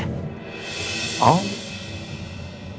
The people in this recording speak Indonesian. makan siang sama bu chandra juga ya